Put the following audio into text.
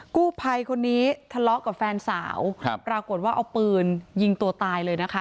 กู้ภัยคนนี้ทะเลาะกับแฟนสาวครับปรากฏว่าเอาปืนยิงตัวตายเลยนะคะ